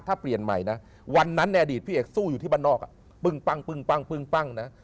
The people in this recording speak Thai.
ถ้าเปลี่ยนใหม่นะวันนั้นในอดีตพี่เอกสู้อยู่ที่บ้านนอกปึ้งปั้งนะ